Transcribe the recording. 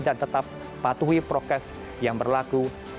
dan tetap patuhi prokes yang berlaku